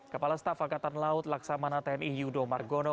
kepala staf angkatan laut laksamana tni yudo margono